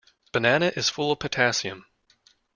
Banana is full of potassium.